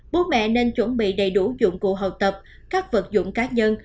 bố mẹ nên chuẩn bị đầy đủ dụng cụ học tập các vật dụng cá nhân